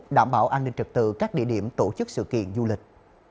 đảm bảo an ninh trật tự các địa điểm tổ chức sự kiện du lịch